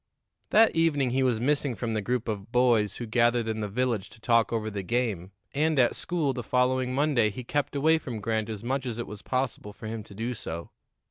That evening he was missing from the group of boys who gathered in the village to talk over the game, and at school the following Monday he kept away from Grant as much as it was possible for him to do so.